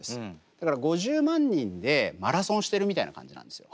だから５０万人でマラソンしてるみたいな感じなんですよ。